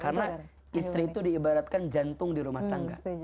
karena istri itu diibaratkan jantung di rumah tangga